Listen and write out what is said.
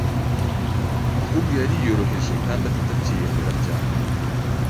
ahubwo yariyoroheje kandi atacyiyemera cyane